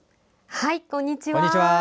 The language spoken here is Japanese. はい、こんにちは。